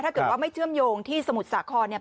ถ้าเกิดว่าไม่เชื่อมโยงที่สมุทรสาครเนี่ย